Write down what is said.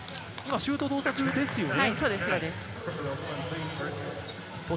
シュート動作中ですよね。